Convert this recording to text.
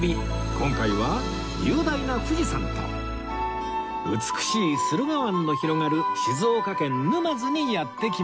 今回は雄大な富士山と美しい駿河湾の広がる静岡県沼津にやって来ました